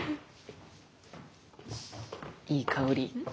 いい香り。